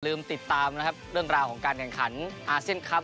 ติดตามนะครับเรื่องราวของการแข่งขันอาเซียนคลับ